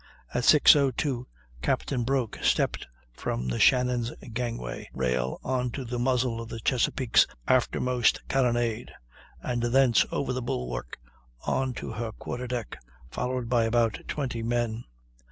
At 6.02 Captain Broke stepped from the Shannon's gangway rail on to the muzzle of the Chesapeake's aftermost carronade, and thence over the bulwark on to her quarter deck, followed by about 20 men.